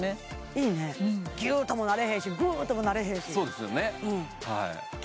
いいねギュッともなれへんしグッともなれへんしそうですよね